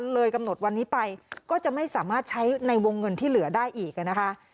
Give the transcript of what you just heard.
เลยกำหนดวันนี้ไปก็จะไม่สามารถใช้ในวงเงินที่เหลือได้อีกนะคะ